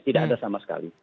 tidak ada sama sekali